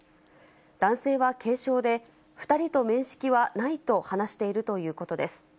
男性は軽傷で、２人と面識はないと話しているということです。